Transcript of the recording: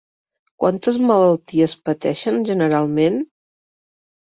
Quantes malalties pateixen generalment?